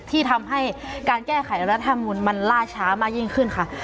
ที่ทำให้การแก้ไขรัฐธรรมนุนมันล่าช้ามากยิ่งขึ้นค่ะ